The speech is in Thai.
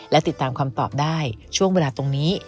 และติดตามคำตอบได้ช่วงเวลาตรงนี้